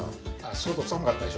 外寒かったでしょ？